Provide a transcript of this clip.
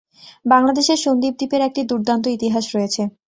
বাংলাদেশের সন্দ্বীপ দ্বীপের একটি দুর্দান্ত ইতিহাস রয়েছে।